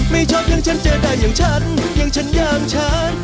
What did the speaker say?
ไม่ชอบอย่างฉันเจอได้อย่างฉันอย่างฉันอย่างฉัน